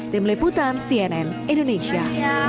tim liputan cnn indonesia